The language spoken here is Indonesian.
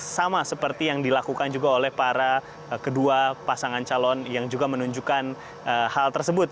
sama seperti yang dilakukan juga oleh para kedua pasangan calon yang juga menunjukkan hal tersebut